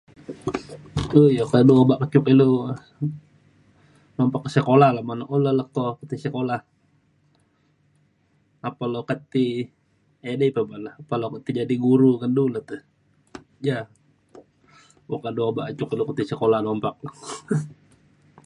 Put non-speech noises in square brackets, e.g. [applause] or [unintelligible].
uii [noise] oka du obak ke cuk ilu nompak sekola la banuk, un le leko ke tai sekolah. apan le okat ti edai [unintelligible] okat le tai jadi guru ngan du lukte ja boka du obak ke cuk ilu ke tai sekolah nompak la.